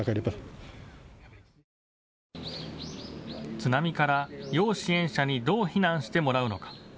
津波から要支援者にどう避難してもらうのか。